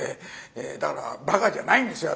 だからバカじゃないんですよ